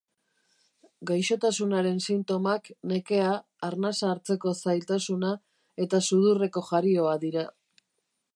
Gaixotasunaren sintomak nekea, arnasa hartzeko zailtasuna eta sudurreko jarioa dira.